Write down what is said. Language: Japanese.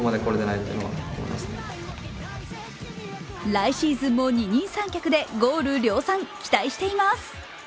来シーズンも二人三脚でゴール量産、期待しています。